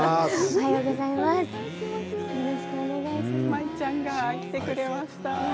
舞ちゃんが来てくれました。